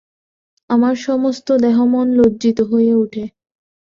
আমার সমস্ত দেহমন লজ্জিত হয়ে ওঠে।